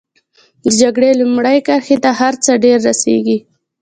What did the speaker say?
د جګړې لومړۍ کرښې ته هر څه ډېر رسېږي.